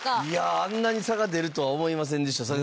いやあんなに差が出るとは思いませんでした。